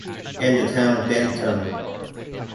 And the town, Denton.